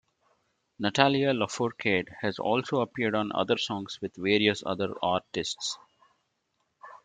Natalia Lafourcade has also appeared on other songs with various other artists.